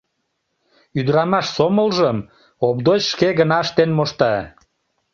Ӱдырамаш сомылжым Овдоч шке гына ыштен мошта.